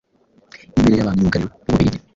imbere ya ba myugariro b'u Bubiligi